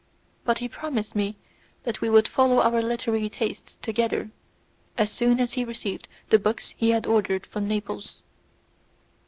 But he promised me that we would follow our literary tastes together, as soon as he received the books he had ordered from Naples.